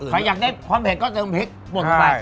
ใครอยากได้ความเผ็ดก็เติมพริกบดไป